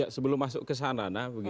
sebelum masuk ke sana